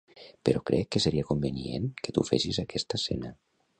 Però crec que seria convenient que tu fessis aquesta escena.